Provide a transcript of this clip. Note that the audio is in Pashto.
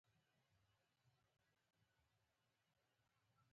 د میلیونونو تنو مړینه احصایه ده.